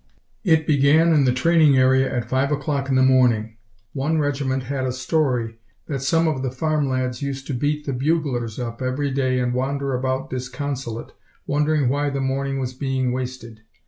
It began in the training area at five o'clock in the morning. One regiment had a story that some of the farm lads used to beat the buglers up every day and wander about disconsolate, wondering why the morning was being wasted.